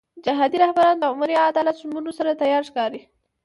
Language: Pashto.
جهادي رهبران د عمري عدالت ژمنو سره تیار ښکاري.